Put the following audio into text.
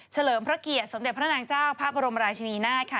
เลิมพระเกียรติสมเด็จพระนางเจ้าพระบรมราชนีนาฏค่ะ